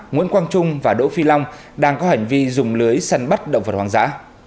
nguyễn quang trung và đỗ phi long đang có hành vi dùng lưới săn bắt động vật hoang dã